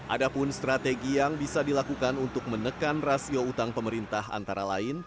ada pun strategi yang bisa dilakukan untuk menekan rasio utang pemerintah antara lain